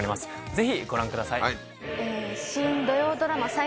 ぜひご覧ください。